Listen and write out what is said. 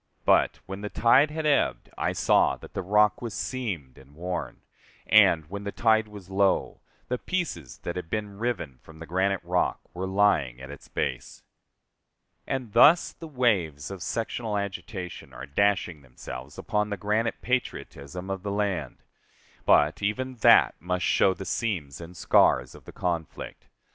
But, when the tide had ebbed, I saw that the rock was seamed and worn; and, when the tide was low, the pieces that had been riven from the granite rock were lying at its base. And thus the waves of sectional agitation are dashing themselves against the granite patriotism of the land. But even that must show the seams and scars of the conflict.